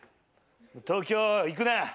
東京行くな。